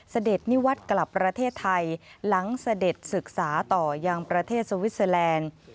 เสด็จนิวัตรกลับประเทศไทยหลังเสด็จศึกษาต่อยังประเทศสวิสเตอร์แลนด์